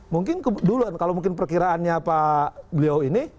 mungkin duluan kalau mungkin perkiraannya pak beliau ini